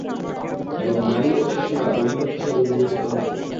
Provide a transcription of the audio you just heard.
এবং নারী ও শিশুরা গণিমত হিসেবে বিবেচিত হবে।